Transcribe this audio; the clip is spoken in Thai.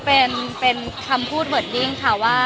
เป็นคำพูดเวิร์ดดิ้งค่ะว่า